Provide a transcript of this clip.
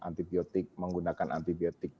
antibiotik menggunakan antibiotik